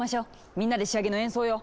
みんなで仕上げの演奏よ！